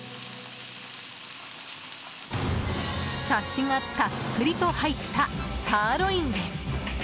サシがたっぷりと入ったサーロインです。